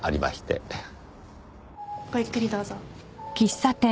ごゆっくりどうぞ。